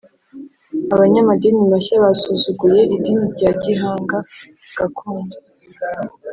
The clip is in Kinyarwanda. Abanyamadini mashya basuzuguye idini rya Gihanga (gakondo).